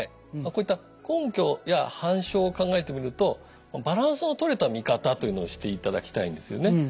こういった根拠や反証を考えてみるとバランスのとれた見方というのをしていただきたいんですよね。